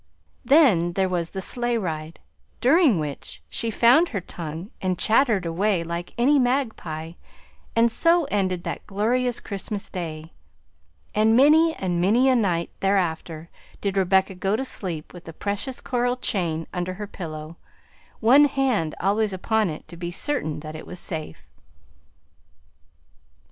Then there was the sleigh ride, during which she found her tongue and chattered like any magpie, and so ended that glorious Christmas Day; and many and many a night thereafter did Rebecca go to sleep with the precious coral chain under her pillow, one hand always upon it to be certain that it was safe.